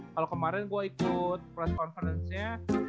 kalau kemarin gue ikut press conference nya